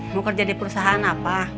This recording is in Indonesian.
mau kerja di perusahaan apa